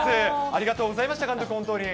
ありがとうございました、監督、本当に。